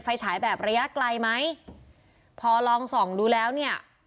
ฉายแบบระยะไกลไหมพอลองส่องดูแล้วเนี่ย